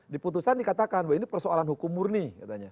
di putusan dikatakan bahwa ini persoalan hukum murni katanya